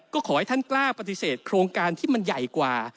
ก็ขอให้ท่านกล้าปฏิเสธโครงการที่มันใหญ่กว่า